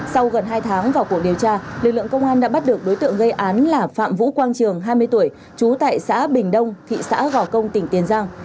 sau gần hai tháng vào cuộc điều tra lực lượng công an đã bắt được đối tượng gây án là phạm vũ quang trường hai mươi tuổi trú tại xã bình đông thị xã gò công tỉnh tiền giang